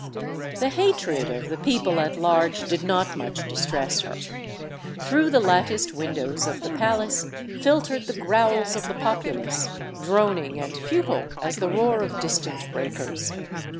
The hatred of the people at large did not much distress her. Through the latticed windows of the palace filtered the growls of the populace, droning and futile as the roar of distant breakers.